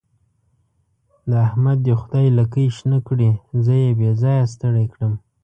د احمد دې خدای لکۍ شنه کړي؛ زه يې بې ځايه ستړی کړم.